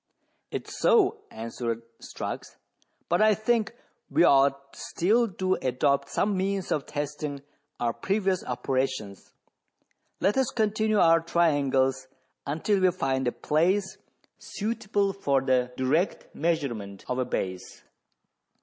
It is so," answered Strux ; "but I think we ought still to adopt some means of testing our previous operations. Let us continue our triangles until we find a place suitable for the direct measurement of a base.